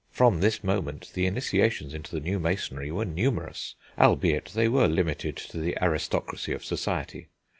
From this moment the initiations into the new masonry were numerous, albeit they were limited to the aristocracy of society.